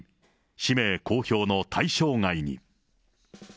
氏名公表の対象外に。